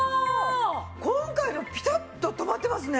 今回のピタッと止まってますね！